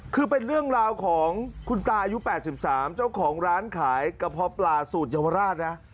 คือเป็นเรื่องราวของคุณตาอายุ๘๓เจ้าของร้านขายกระเพาะปลาสูตรเยาวราชนะ